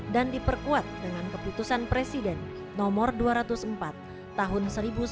dan diperkuat dengan keputusan presiden nomor dua ratus empat tahun seribu sembilan ratus enam puluh